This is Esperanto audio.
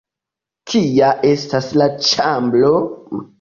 Kia estas la ĉambro?